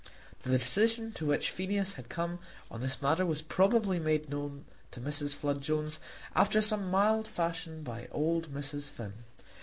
The decision to which Phineas had come on this matter was probably made known to Mrs. Flood Jones after some mild fashion by old Mrs. Finn.